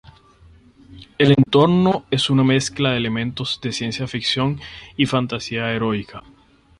El entorno es una mezcla de elementos de ciencia ficción y Fantasía heroica.